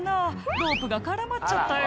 「ロープが絡まっちゃったよ